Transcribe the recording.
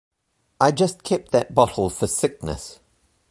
I just kept that bottle for sickness.